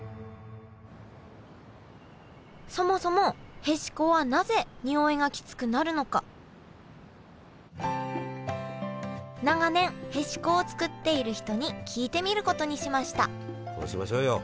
そもそもへしこはなぜにおいがきつくなるのか長年へしこを作っている人に聞いてみることにしました。